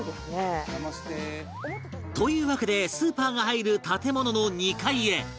というわけでスーパーが入る建物の２階へ